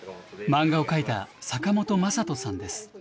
漫画を描いた坂本将取さんです。